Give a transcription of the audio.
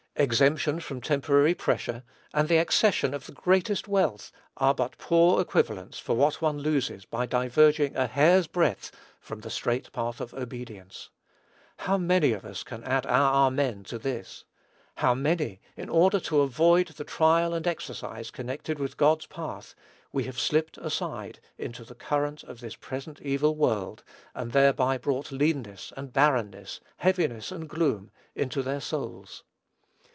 Exemption from temporary pressure, and the accession of the greatest wealth are but poor equivalents for what one loses by diverging a hair's breadth from the straight path of obedience. How many of us can add our amen to this! How many, in order to avoid the trial and exercise connected with God's path, have slipped aside into the current of this present evil world, and thereby brought leanness and barrenness, heaviness and gloom, into their souls!